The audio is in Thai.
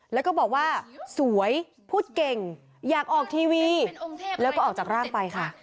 แล้วก็บอกว่าสวยพูดเก่งอยากออกทีวีแล้วก็ออกจากร่างไปค่ะ